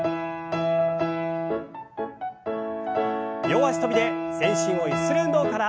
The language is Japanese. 両脚跳びで全身をゆする運動から。